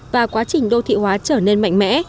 và quá trình đô thị hóa trở nên mạnh mẽ